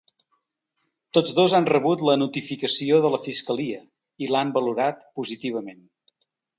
Tots dos han rebut la notificació de la fiscalia i l’han valorat positivament.